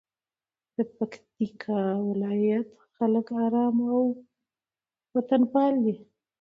د پکتیکا ولایت خلک آرام او وطنپاله دي.